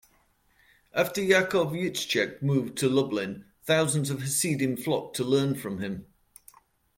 After Yaakov Yitzchak moved to Lublin, thousands of Hasidim flocked to learn from him.